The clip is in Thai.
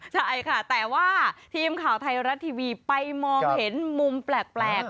ใช่ค่ะแต่ว่าทีมข่าวไทยรัฐทีวีไปมองเห็นมุมแปลก